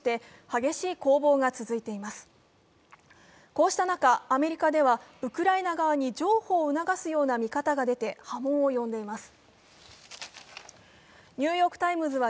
こうした中、、アメリカではウクライナ側に譲歩を促すような動きが出ています。